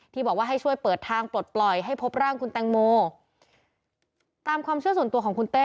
บอกว่าให้ช่วยเปิดทางปลดปล่อยให้พบร่างคุณแตงโมตามความเชื่อส่วนตัวของคุณเต้